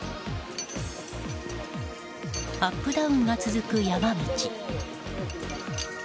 アップダウンが続く山道。